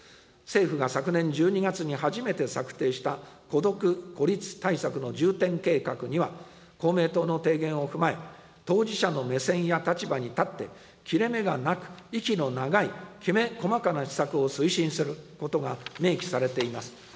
政府が昨年１２月に初めて策定した、孤独・孤立対策の重点計画には、公明党の提言を踏まえ、当事者の目線や立場に立って、切れ目がなく、息の長い、きめ細かな施策を推進することが明記されています。